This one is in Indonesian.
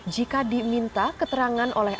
jika diminta keterangan oleh